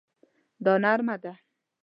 دا نرمه ده